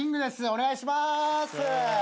お願いします。